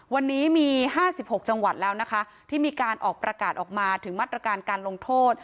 วันนี้มี๕๖จังหวัดแล้วนะคะที่มีการออกประกาศออกมาถึงมาตรการการลงโทษ